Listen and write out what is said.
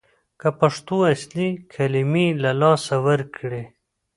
که پښتو اصلي کلمې له لاسه ورکړي